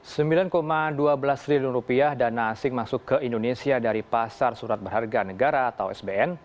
rp sembilan dua belas triliun rupiah dana asing masuk ke indonesia dari pasar surat berharga negara atau sbn